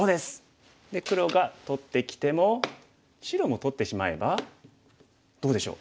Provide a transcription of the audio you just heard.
で黒が取ってきても白も取ってしまえばどうでしょう？